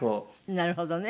なるほどね。